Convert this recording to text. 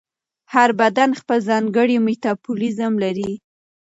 هر بدن خپل ځانګړی میتابولیزم لري.